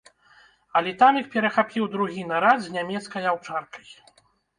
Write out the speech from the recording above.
Але там іх перахапіў другі нарад з нямецкай аўчаркай.